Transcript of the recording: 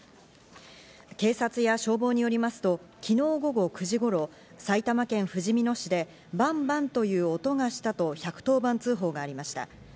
警察や消防によりますと昨日午後９時頃、埼玉県ふじみ野市でバンバンという音がしたと１１０番通報がありました。